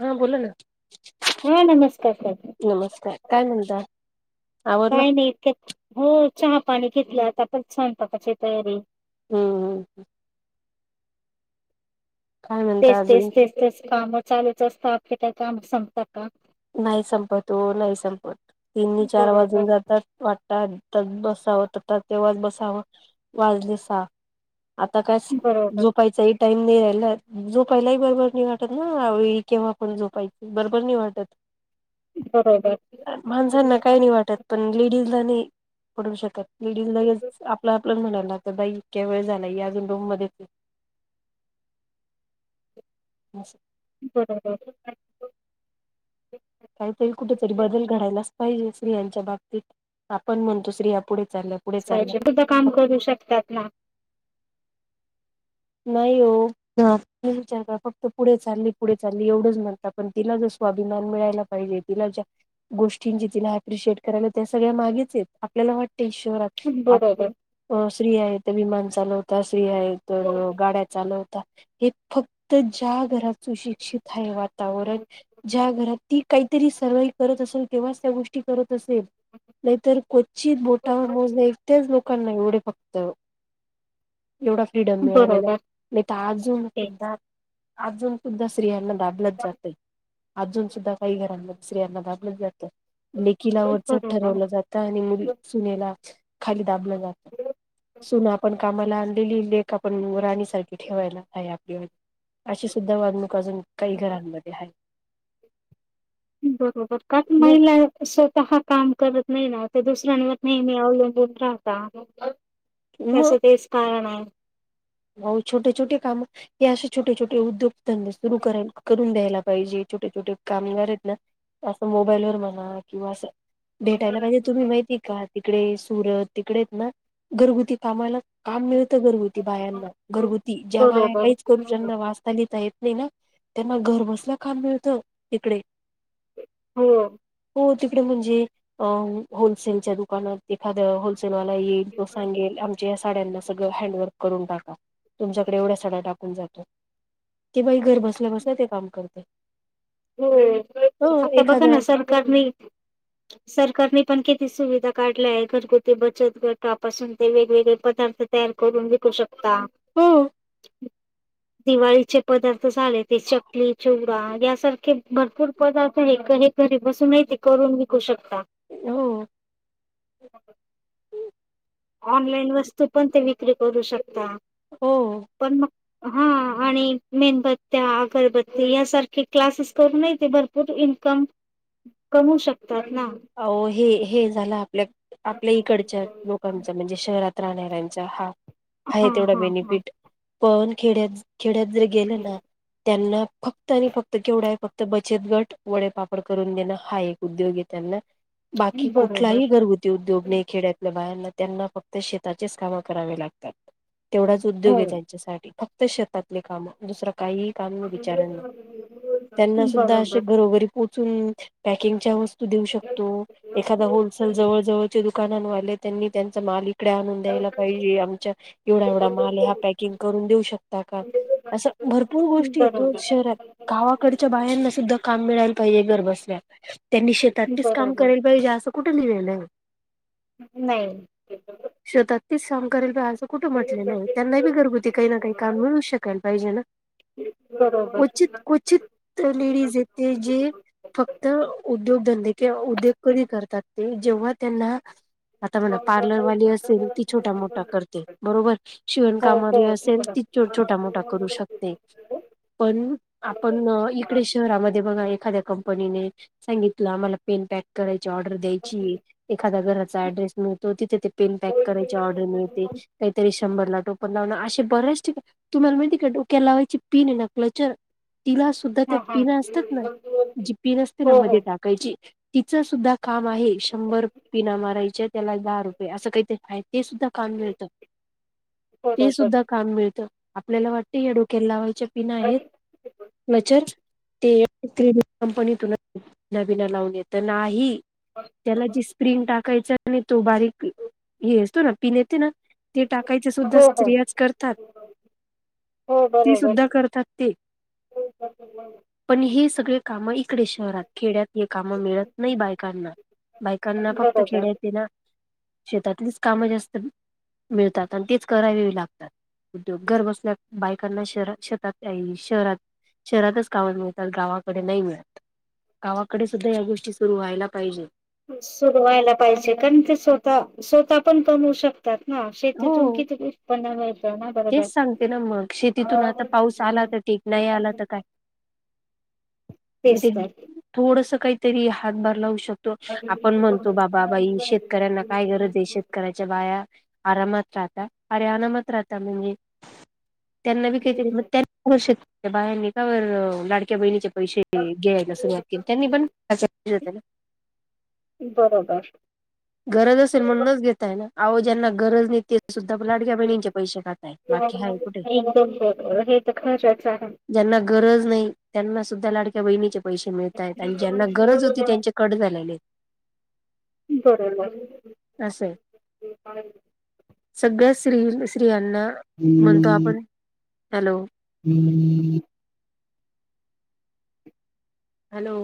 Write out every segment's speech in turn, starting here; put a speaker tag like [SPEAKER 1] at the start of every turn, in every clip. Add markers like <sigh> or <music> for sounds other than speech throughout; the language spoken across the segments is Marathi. [SPEAKER 1] हा बोला ना
[SPEAKER 2] हा नमस्कार सर
[SPEAKER 1] नमस्कार काय म्हणता? आवरलं
[SPEAKER 2] काय नाही इतक्या हो चहा पाणी घेतलं आता पण स्वयंपाकाची तयारी
[SPEAKER 1] हम्म काय म्हणता
[SPEAKER 2] तेच तेच
[SPEAKER 1] अजून
[SPEAKER 2] तेच तेच कामं चालूच असतात आपली काय काम संपतात का?
[SPEAKER 1] नाही संपत ओ नाही संपत तीन चार वाजून
[SPEAKER 2] बरोबर
[SPEAKER 1] जातात वाटतात बसावं तेव्हा बसावं वाजले सहा आता काय
[SPEAKER 2] बरोबर
[SPEAKER 1] झोपायचं आहे. टाईम नाही राहिला झोपायलाही बरोबर नाही वाटत ना अवेळी केव्हा पण झोपा बरोबर नाही वाटत
[SPEAKER 2] बरोबर
[SPEAKER 1] माणसांना काही नाही वाटत पण लेडीजला नाही पडून लेडीज लेच आपला आप म्हणायलाता बाई इतक्या वेळ झाला अजून रूम मध्ये अस
[SPEAKER 2] बरोबर
[SPEAKER 1] काहीतरी कुठेतरी बदल घडयलाच पाहिजे स्त्रियांच्या बाबतीत आपण म्हणतो स्त्रिया पुढे चालल्यात
[SPEAKER 2] पाहिजे तुझं काम करू शकतात ना
[SPEAKER 1] नाही हो- मी विचार फक्त पुढे चालली पुढे चालली एवढंच म्हणता पण तिला जर स्वाभिमान मिळायला पाहिजे तिला ज्या गोष्टींची तिला अप्रिशिएट करायला त्या सगळ्यामागेच आपल्याला वाटते शहरात
[SPEAKER 2] बरोबर
[SPEAKER 1] स्त्री आहे तर विमान चालवता स्त्री आहे तर गाड्या चालवता हे फक्त ज्या घरा सुशिक्षित हाय वा ज्या घरात ती काहीतरी सर्वाइव करत असेल तेव्हाच त्या गोष्टी गोष्टी करत असेल नाहीतर क्वचित कित बोटावर मोजण्या इतके लोक लोकांना एवढे फक्त एवढा फ्रीडम मिळालेला
[SPEAKER 2] बरोबर
[SPEAKER 1] नाही तर अजून
[SPEAKER 2] ते
[SPEAKER 1] सुद्धा अजून सुद्धा स्त्रियांना दाबलच जातय अजून सुद्धा काही घरांना दुसऱ्यांना दाबलं जातं लेकीलावरचड
[SPEAKER 2] बरोबर
[SPEAKER 1] ठरवलं जात आणि मुली सुनेला खाली दाबलं जात सुन आपण कामाला आणलेली लेक आपण राणी सारखी ठेवायला आहे आपली अशी सुद्धा वागणूक अजून काही घरांमध्ये आहे
[SPEAKER 2] बरोबर काच
[SPEAKER 1] मग
[SPEAKER 2] महिला स्वतः काम करत नाही ना ते दुसऱ्यांवर नेहमी अवलंबून राहता कस तेच कळणा
[SPEAKER 1] हो छोटे छोटे काम हे असे छोटे छोटे उद्योगधंदे सुरू कराय करून द्यायला पाहिजे छोटे छोटे कामगारेत ना असं मोबाईल वर म्हणा किंवा असं भेटायला पाहिजे तुम्ही माहितीय का तिकडे सुरत तिकडेच ना घरगुती कामाला काम मिळतं घरगुती बायांना घरगुती ज्या बाया
[SPEAKER 2] बरोबर
[SPEAKER 1] काहीच करू ज्यांना वाचता लिहिता येत नाही ना त्यांना घरबसलं काम मिळत इकडे
[SPEAKER 2] हो
[SPEAKER 1] हो तिकडे म्हणजे अ होलसेलच्या दुकानात एखाद होलसेलवाला येईल तो सांगेल आमच्या या साड्यांना सगळं हँड वर्क करून टाका तुमच्याकडे एवढ्या सड्या टाकून जातो की बाई घर बसल्या बसल्या ते काम करते हो
[SPEAKER 2] आता बघा
[SPEAKER 1] एखादा
[SPEAKER 2] ना सरकारनी सरकारने पण किती सुविधा काढल्या आहे घरगुती बचत गटपासून ते वेगवेगळे पदार्थ तयार करून विकू शकता
[SPEAKER 1] हो
[SPEAKER 2] दिवाळीचे पदार्थ झाले ते चकली चीवरा यासारख क भरपूर पदार्थ हे क घरी बसून ते करून वीकु शकता
[SPEAKER 1] हो
[SPEAKER 2] ह ऑनलाईन वस्तू पण ते विक्री करू शकता
[SPEAKER 1] हो
[SPEAKER 2] पण मग हा आणि मेणबत्त्या अगरबत्ती्या यासारखे क्लासेस करूनय ते भरपूर इन्कम कमू शकत
[SPEAKER 1] आओ हे हे झालं आपल्या आपल्या इकडच्या लोकांच म्हणजे शहरात राहणाऱ्याचा हा
[SPEAKER 2] हा
[SPEAKER 1] हाये तेवढा
[SPEAKER 2] हा हा
[SPEAKER 1] बेनफिट पण खेड्यात खेड्यात जर गेले ना त्यांना फक्त आणि फक्त केवढा आहे फक्त बचत गट वडेपापड करून देणं हा एक उद्योगीयं त्यांना बाकी
[SPEAKER 2] बरोबर
[SPEAKER 1] कुठलाही घरगु. उद्योग नाई खेड्यातल्या बायांना त्यांना फक्त़ं शेताचेच कामं करावे लागतात. तेवढचं उद्योग
[SPEAKER 2] हो.
[SPEAKER 1] नाई आह यांच्यासाठी फक्तं शेतातले काम दुसर काही. काम विचाराना
[SPEAKER 2] बरोबर.
[SPEAKER 1] त्यांना सुद्धा असे
[SPEAKER 2] बरोबर.
[SPEAKER 1] घरोघरीं. पोचून पॅकिंगच्या वस्तू देऊ शकतो. एखादा होलसेल जवळ- जवळचें. दुकानांन वाले त्यांनी त्यांचा मालिक विक <inaudible> इकडे आणून द्यायला पाहिजे, आमच्या एवढा- एवढा माल आहे हां पॅकिंग करून देऊ शकता कां. असं भरपूर गोष्टी आहे येतो शहरातं. गावाकडच्या बायांना सुद्धा कामं मिळायला पाहिजे, घर बसल्या त्यांनी शेती. तर् तेच काम
[SPEAKER 2] बरोबर
[SPEAKER 1] करेल पाहिजे. असं कुठे नां.
[SPEAKER 2] <unintelligible> नाही.
[SPEAKER 1] शोतातील तेचं काम करायला पांयाचं. कुठं म्हटले नाही. त्यांना बी घरगुती काही नां काहीं काम मिळू शकाल पाहिजे नां.
[SPEAKER 2] <unintelligible> बरोबरं आहे ते.
[SPEAKER 1] कचिंत क्वचित लेडीज येते जेजी. तर् उद्योगधंदे किं उद्योग कधी करतात, ते जेव्हा त्यांना.
[SPEAKER 2] हो
[SPEAKER 1] आतां म्हणा पार्लरवाली असेल. ती छोटा मोठा करते बरोबरं शिवण कामं असेल ती चं छोटा, मोठा करू शकते.
[SPEAKER 2] बरोबर
[SPEAKER 1] पणं आपण अ इकडे शहरामध्ये बघा एखाद्या कंपनीने. सांगितलं आम्हांला पेन पॅक करायची ऑर्डर द्यायची. एखादा्या घराचा ऍड्रेस मिळतो. तिथे ते पेन पॅक करायची ऑर्डर मिळते. काहीतरी शंभर पेनाला टोपण लावणं असे बर्र्याचं ठिकाणी. तुम्हाला माहिती कां डोक्या लावायची पीन आहे नां क्लेचर तिला. सुद्धा त्यां
[SPEAKER 2] हां हां
[SPEAKER 1] पिन असतात नां जी पिन असते नां मध्ये टाकायची. तिचं सुद्धा कामं आहे. शंभर पिना मारायचे त्याला दहा रुपये, असं काहीत ते सुद्धां. काम मिळत तें सुद्धा काम मिळतं आपल्याला वाटते. हे डोक्याला लावायचे. पीन आहेत. मजचर तें कं पीन कंपनीतून. पीना, बीना लावून येत. नाही त्याला जी स्प्रिंट टाककं. काहीचं नाही तों बारीक हे असतो नां पिण्यात येते नां. तें टाकायचे सुद्धा
[SPEAKER 2] हो
[SPEAKER 1] स्त्रियाचं करतातं.
[SPEAKER 2] होंव बरोबरं
[SPEAKER 1] करतात ते
[SPEAKER 2] हो. <inaudible>
[SPEAKER 1] पण हीअं सगळे कामं इकडे. शहरात खेड्यात हे कामं मिळत नाही. बायकांना-
[SPEAKER 2] बरोबर
[SPEAKER 1] बायकांना फक्त़ं
[SPEAKER 2] बरोबर
[SPEAKER 1] खेड्यात ये नां शेतातलीचं कामं जास्त मिळतात. आणि तेच करावे लागतात. उद्योग घर बसल्याअ बायकांना शहर शेतातकाई नाही शहरातं. शहरातचं कामं मिळतात. गावाकडे नाही मिळत. गावाकडे सुद्धां हंया गोष्टी सुरू व्हायला पाहिजेत.
[SPEAKER 2] सुरू व्हायला पाहिजे. कारण ते स्वतः- स्वतः पण कमवू शक. तेचं नां शेतीतून किती? उत्पन्न मिळत.
[SPEAKER 1] तेचं सांगते नां मग शेतीतून आता पाऊस आला. तर ठीक नाही. आला तर काय मग काय. म्हणजे
[SPEAKER 2] तेच तर
[SPEAKER 1] थोडसं काहीतरी हातभार लावू शकतातं. <unintelligible> आपण म्हणतो बाबा, बाई, शेतकऱ्यांना काय गरज आहे शेती. कराच्या बाया आरामात राहता. अरे अनामात राहता म्हणजें अ. त्यांना बीई काई तरी त्यांनी श बायानी कां लाडक्या बहिणीचे पैसे. तें घ्यायला सुरुवात केली, त्यांनी पणं.
[SPEAKER 2] बरोबर.
[SPEAKER 1] गरज असेल म्हणूनच घेताय ना? आवो ज्यांना गरज नाही, ते सुद्धा लाडक्या बहिणींचे पैसे खाताय. बाकी हाय कुठे
[SPEAKER 2] एकदम बरोबर, हे तर खरंच आहे.
[SPEAKER 1] ज्यांना गरज नाही, त्यांना सुद्धा लाडक्या बहिणीचे पैसे मिळताहेत. आणि ज्यांना गरज होती त्यांच्या कट झालेलेयेत.
[SPEAKER 2] बरोबर
[SPEAKER 1] असये सगळ्या स्त्री स्त्रियांना म्हणतो आपण हॅलो
[SPEAKER 2] <inaudible>
[SPEAKER 1] हॅलो.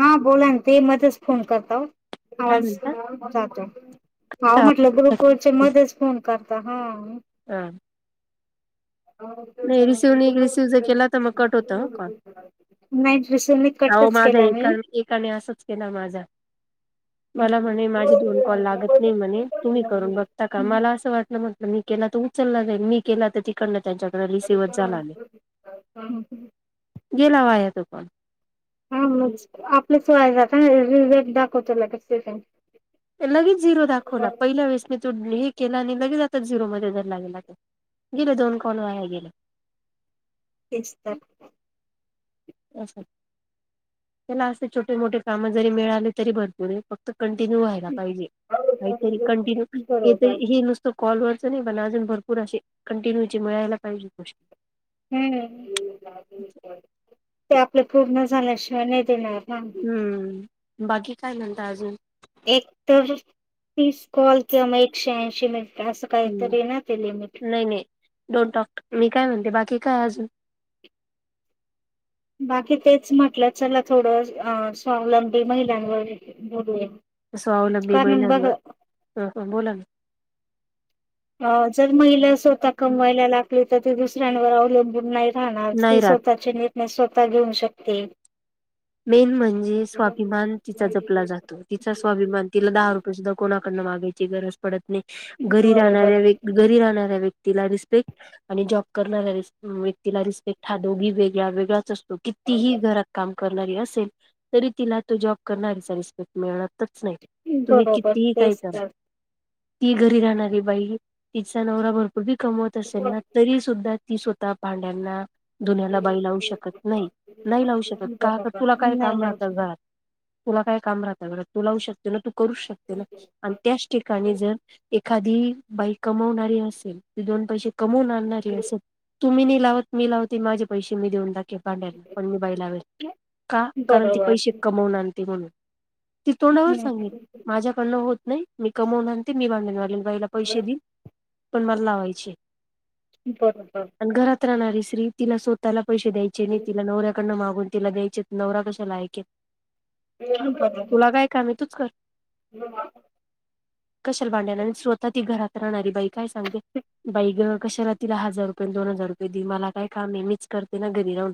[SPEAKER 2] हा बोला ना, ते मध्येच फोन करता ओ
[SPEAKER 1] काय
[SPEAKER 2] आवाज
[SPEAKER 1] म्हणता
[SPEAKER 2] जातो आवो म्हटलं, ग्रुपवरचे मध्येच फोन करता हा.
[SPEAKER 1] <inaudible> नही रिसीव्ह नही रिसीव जर केला तर मग कट होतो हं कॉल.
[SPEAKER 2] नाही रिसिव्ह नाही
[SPEAKER 1] आवो
[SPEAKER 2] कटच
[SPEAKER 1] माझा
[SPEAKER 2] केला मी.
[SPEAKER 1] एका एकाने असंच केला माझा.
[SPEAKER 2] <inaudible>
[SPEAKER 1] मला म्हणे माझे दोन कॉल लागत नाही म्हणे, तुम्ही करून बघता का? मला असं वाटलं म्हटलं मी केला तर उचलला जाईल, मी केला तर तिकडनं त्यांच्याकडे रीसिवच झाला नही. गेला वाया तो पण.
[SPEAKER 2] हं मग आपलाच वाया जाता ना, रिरेट दाखवतो लगेच सेकद.
[SPEAKER 1] लगेच झिरो दाखवला, पहिल्या वेळेस मी तो हे केला आणि लगेच आता झिरोमध्ये जर लागला तो. गेले दोन कॉल वाया गेले.
[SPEAKER 2] तेच तर
[SPEAKER 1] असं त्याला असते छोटे मोठे कामं जरी मिळाले, तरी भरपूर आहे. फक्त कंटिन्यू व्हायला पाहिजे, काहितरी कंटिन्यू. काहीतरी हे
[SPEAKER 2] बरोबर
[SPEAKER 1] तरी हे नुसतं कॉल वरचं नाही पण अजून भरपूर अशे, कंटिन्यू मिळायला पाहिजे.
[SPEAKER 2] हम्म, ते आपलं पूर्ण झाल्याशिवाय नाही देणार ना.
[SPEAKER 1] हम्म, बाकी काय म्हणता अजून?
[SPEAKER 2] एक तर तीस कॉल किंवा मं एकशे ऐंशी मिनिटं असं
[SPEAKER 1] हम्म
[SPEAKER 2] काहीतरी येना ते लिमिट.
[SPEAKER 1] नाही नाही. डोंट टाॅक्ड, मी काय म्हणते बाकी काय अजून?
[SPEAKER 2] बाकी तेच म्हटलं, चला थोडं स्वावलंबी महिलांवर बोलूया.
[SPEAKER 1] स्वावलंबी
[SPEAKER 2] कारण बघ
[SPEAKER 1] महिलांवर हं हं बोला ना.
[SPEAKER 2] अं जर महिला स्वतः कमवायला लागली तर, ती दुसऱ्यांवर अवलंबून नाही राहणार ती
[SPEAKER 1] नाही राहत.
[SPEAKER 2] स्वतःचे निर्णय स्वतः घेऊ शकते.
[SPEAKER 1] मेन म्हणजे स्वाभिमान तिचा जपला जातो. तिचा स्वाभिमान तिला दहा रुपये सुद्धा कोणाकडनं मागायची गरज पडत नाही. घरी राहणाऱ्या
[SPEAKER 2] बरोबर
[SPEAKER 1] व्य घरी राहणाऱ्या व्यक्तीला रिस्पेक्ट आणि जॉब करणाऱ्या व्यक्तीला रिस्पेक्ट, हा दोघी वेगळा वेगळाच अस ती कितीही घरात काम करणारी असेल, तरी तिला तो जॉब करणारीचा रिस्पेक्ट मिळतच नाही, तुम्ही
[SPEAKER 2] बरोबर
[SPEAKER 1] कितीही काही
[SPEAKER 2] तेच
[SPEAKER 1] करा. ती घरी राहणारी बाई, तिचा नवरा भरपूर बी कमवत असेल
[SPEAKER 2] तर
[SPEAKER 1] ना तरी सुद्धा ती स्वतः भांड्यांना, धुन्याला बाई लावू शकत नाही, नाही
[SPEAKER 2] बरोबर
[SPEAKER 1] लावू शकत. का तर तुला काय
[SPEAKER 2] नाही
[SPEAKER 1] काम
[SPEAKER 2] लावू
[SPEAKER 1] राहतं
[SPEAKER 2] शकत.
[SPEAKER 1] घरात? तुला काय काम राहतं घरात, तू लावू शकते ना, तू करू शकते ना. अन त्याच ठिकाणी जर, एखादी बाई कमवणारी असेल. दोन पैसे कमवून आणणारी असेल. तुम्ही नि लावत. मी लावते. माझे पैसे मी देऊन दाक भांड्यांना. पण मी बाई लावेल. का? कारण ती
[SPEAKER 2] बरोबर
[SPEAKER 1] पैसे
[SPEAKER 2] हं,
[SPEAKER 1] कमवून आणते म्हणून. ती तोंडावर सांगेल.
[SPEAKER 2] हं.
[SPEAKER 1] माझ्याकडनं होत नाही. मी कमवून आणते. मी भांडी धुवालेन बाई लाव पैसे दिन. पण मला लावायचीय.
[SPEAKER 2] बरोबर.
[SPEAKER 1] घरात राहणारी श्री. तिला स्वतःला पैसे द्यायचे नाही. तिला नवऱ्याकडनं मागून‌ तिला द्यायचेत. नवरा कशाला ऐकेल.
[SPEAKER 2] बरोबर
[SPEAKER 1] तुला काय कामय. तूच कर. कशाला भांडन. अन् स्वतः ती घरात राहणारी बाई. काय सांगते, बाई गं. कशाला तिला हजार रुपये न दोन हजार रुपये दि. मला काय कामय? मीच करते ना, घरी राहून.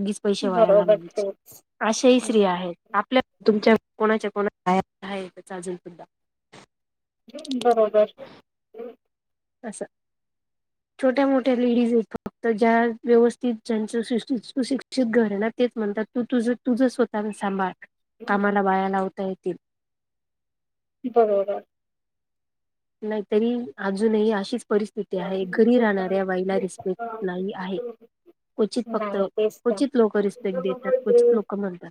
[SPEAKER 1] उगीच पै से वाया
[SPEAKER 2] बरोबर
[SPEAKER 1] घालवायचे.
[SPEAKER 2] तेच
[SPEAKER 1] अशा हि स्त्रीया आहेत. आपल्या, तुमच्या, कोणाच्या- कोणाच्या <unintelligible> आहेत अजून सुद्धा.
[SPEAKER 2] <inaudible> बरोबर.
[SPEAKER 1] असं. छोट्या - मोठ्या लेडीजयत. फक्त ज्या व्यवस्थित, ज्यांचं सुशी - सुशिक्षि त घर ना, तेच म्हणतात. तू तुझं - तुझं स्वतःन सांभाळ.
[SPEAKER 2] बरोबर
[SPEAKER 1] कामाला बाया लावता येत
[SPEAKER 2] बरोबर.
[SPEAKER 1] नाही तरी, अजूनही अशीच परिस्थ स्थिती आहे. घरी राहणाऱ्या बाईला, रिस्पेक्ट नाही, आहे. क्वचित फक्त,
[SPEAKER 2] नाही तेच
[SPEAKER 1] क्वचित लोकं रिस्पेक्ट देतात. क्वचित
[SPEAKER 2] तर
[SPEAKER 1] लोकं म्हणतात.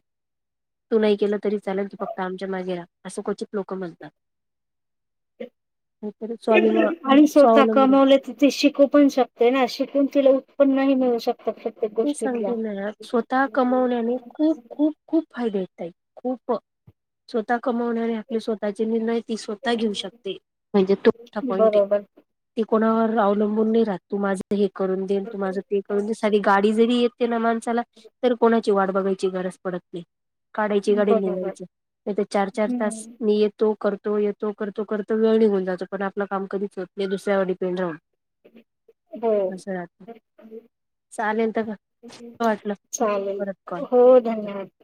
[SPEAKER 1] तू नाही केलं तरी चालेल. तू फक्त, आमच्या मागे राहा. असं क्वचित लोकं म्हणतात. नाहीतरी
[SPEAKER 2] <inaudible>
[SPEAKER 1] स्वाभिमा
[SPEAKER 2] आणि स्वतः
[SPEAKER 1] स्वावलंबी
[SPEAKER 2] कमवले तिथे त शिकू पण शक ते ना. शिकून तिला, उत्पन्न ही मिळू शकत.
[SPEAKER 1] तेच सांगते ना. स्वतः कमवल्याने खूप खूप - खूप फायदेयेत ताई. खूप. स्वतः कमवणाऱ्या आपले स्वतःचे निर्णय, ती स्वतः घेऊ शकते. म्हणजे, तो मोठा पॉईंटय.
[SPEAKER 2] बरोबर
[SPEAKER 1] ती कोणावर अवलंबून नाही राहत. तू माझं हे करून दे, न तू माझं ते करून दे. साधी गाडी जरी येते ना, माणसाला. तर कोणाची वाट बघायची, गरज पडत नाही. काढायची गाडी न
[SPEAKER 2] बरोबर
[SPEAKER 1] निघायचं. नाहीतर चार- चार तास.
[SPEAKER 2] हम्म
[SPEAKER 1] मी येत तो. करतो. येतो, करतो. करत, वेळ निघून जातो. पण आपलं काम कधीच होत नाही. दुसऱ्यावर डिपेंड राहून.
[SPEAKER 2] हो.
[SPEAKER 1] असं राहत
[SPEAKER 2] बरोबरय.
[SPEAKER 1] चालेल तर वाटलं
[SPEAKER 2] चालेल.
[SPEAKER 1] परत कॉल
[SPEAKER 2] हो, धन्यवाद.